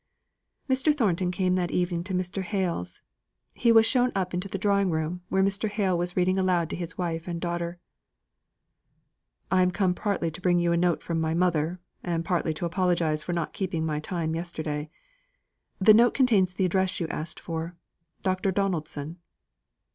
Mr. Thornton came that evening to Mr. Hale's. He was shown up into the drawing room, where Mr. Hale was reading aloud to his wife and daughter. "I am come partly to bring you a note from my mother, and partly to apologise for not keeping to my time yesterday. The note contains the address you asked for; Dr. Donaldson."